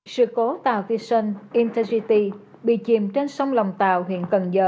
sự cố tàu vision intergy bị chìm trên sông lòng tàu huyện cần giờ